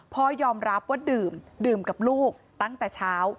พ่อยอมรับว่าดื่มดื่มกับลูกตั้งแต่เช้า